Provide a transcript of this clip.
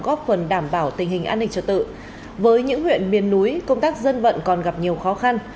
góp phần đảm bảo tình hình an ninh trật tự với những huyện miền núi công tác dân vận còn gặp nhiều khó khăn